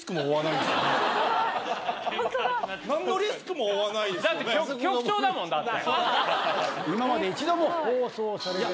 何のリスクも負わないんですもんね。